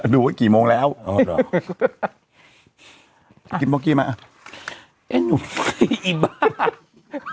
ดูว่ากี่โมงแล้วอ๋อเดี๋ยวอ่ะกินบอกกี้มาไอ้หนุ่มไอ้บ้า